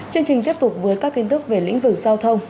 chương trình tiếp tục với các tin tức về lĩnh vực giao thông